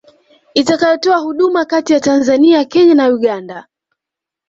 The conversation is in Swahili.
itakayotoa huduma kati ya Tanzania Kenya na Uganda